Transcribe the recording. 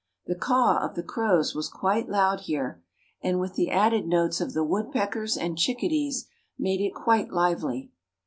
The "caw" of the crows was quite loud here and, with the added notes of the woodpeckers and chickadees, made it quite lively.